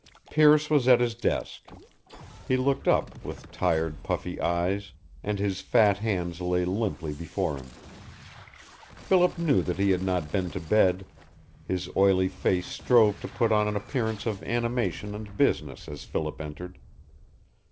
Pearce was at his desk. He looked up with tired, puffy eyes, and his fat hands lay limply before him. Philip knew that he had not been to bed. His oily face strove to put on an appearance of animation and business as Philip entered.